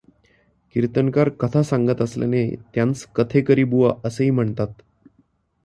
कीर्तनकार कथा सांगत असल्याने त्यांस कथेकरीबुवा असेही म्हणतात.